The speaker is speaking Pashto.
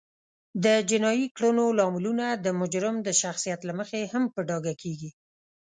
د جینایي کړنو لاملونه د مجرم د شخصیت له مخې هم په ډاګه کیږي